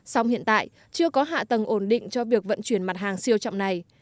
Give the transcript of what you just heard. song hiện tại chưa có hạ tầng ổn định cho việc vận chuyển mặt hàng siêu trọng này